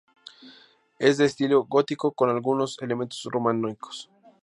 Es de estilo gótico, con algunos elementos románicos.